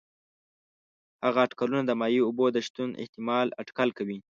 هغه اټکلونه د مایع اوبو د شتون احتمال اټکل کوي.